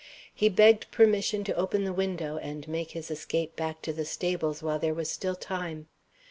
He begged permission to open the window, and make his escape back to the stables while there was still time.